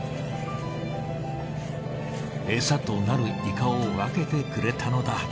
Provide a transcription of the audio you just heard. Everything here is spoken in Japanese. エサとなるイカを分けてくれたのだ。